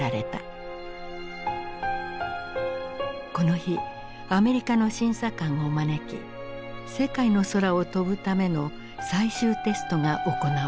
この日アメリカの審査官を招き世界の空を飛ぶための最終テストが行われる。